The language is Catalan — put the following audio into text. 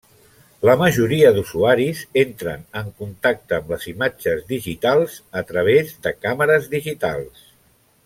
La majoria d'usuaris entren en contacte amb les imatges digitals a través de càmeres digitals.